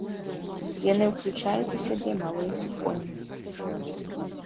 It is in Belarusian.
Яны ўключаюць у сябе малыя супольнасці.